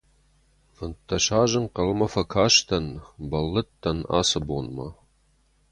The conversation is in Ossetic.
Фынддӕс азы ӕнхъӕлмӕ фӕкастӕн, бӕллыдтӕн ацы бонмӕ.